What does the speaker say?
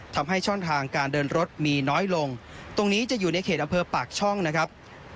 ทำให้ช่องทางการเดินรถมีน้อยลงตรงนี้จะอยู่ในเขตอำเภอปากช่องนะครับ